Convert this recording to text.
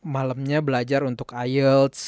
malemnya belajar untuk ielts